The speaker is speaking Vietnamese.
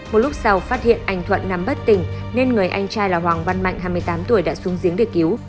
một lúc sau phát hiện anh thuận nằm bất tỉnh nên người anh trai là hoàng văn mạnh hai mươi tám tuổi đã xuống giếng để cứu